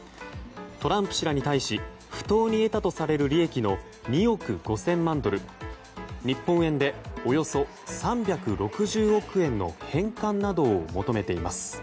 トランプ氏らに対し不当に得たとされる利益の２億５０００万ドル日本円でおよそ３６０億円の返還などを求めています。